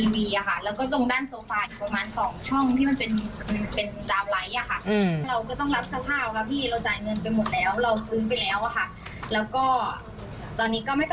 มันรั่วลงมาคือแบบ